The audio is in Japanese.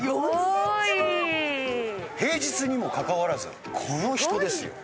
４０００坪⁉平日にもかかわらずこの人ですよ。